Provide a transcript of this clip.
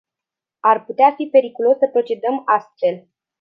Ar putea fi periculos să procedăm astfel.